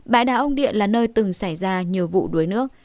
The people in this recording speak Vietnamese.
bãi đá ông điện là nơi từng xảy ra nhiều vụ đuối nước